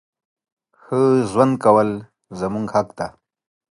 ښه ژوند کول زموږ حق ده.